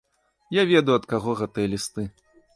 Я ведаю, ад каго гэтыя лісты.